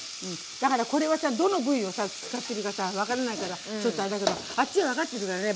だからこれはさどの部位を使ってるか分からないからちょっとあれだけどあっちは分かってるからね。